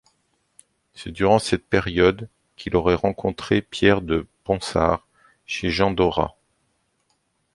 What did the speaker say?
C'est durant cette période qu'il aurait rencontré Pierre de Ronsard chez Jean Dorat.